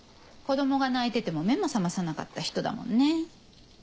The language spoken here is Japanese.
子どもが泣いてても目も覚まさなかった人だもんね。